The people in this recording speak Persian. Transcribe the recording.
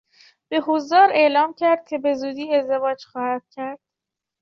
به حضار اعلام کرد که بزودی ازدواج خواهد کرد.